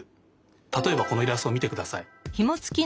たとえばこのイラストをみてください。